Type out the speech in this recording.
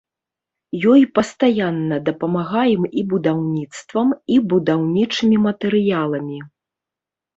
Ёй пастаянна дапамагаем і будаўніцтвам, і будаўнічымі матэрыяламі.